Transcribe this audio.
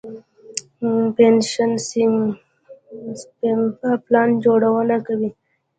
پنشن سپما پلان جوړونه کوي.